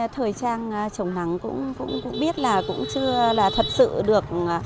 thời trang chống nắng cũng biết là cũng chưa là thật sự được